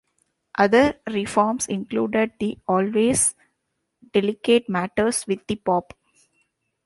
Other reforms included the always delicate matters with the pope.